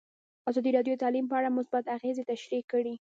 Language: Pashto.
ازادي راډیو د تعلیم په اړه مثبت اغېزې تشریح کړي.